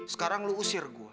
sekarang lo usir gue